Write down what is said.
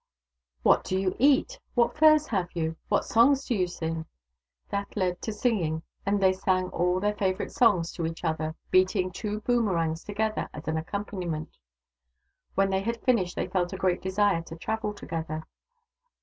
" What do you eat ?"" What furs have you ?"" What songs do you sing ?" That led to singing, and they sang all their favourite songs to each other, beating two boomerangs together as an accompaniment. When they had finished they felt a great desire to travel together.